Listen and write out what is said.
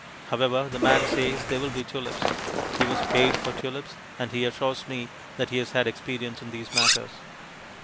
However, the man says they will be tulips; he was paid for tulips; and he assures me that he has had experience in these matters.